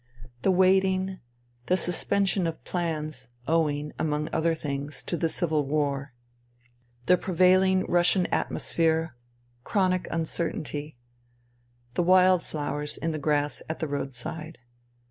The waiting, the suspension of plans owing, among other things, to the civil war. The prevailing Russian atmosphere — chronic uncertainty. The wild flowers in the grass at the road side.